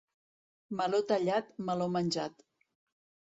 Meló tallat, meló menjat.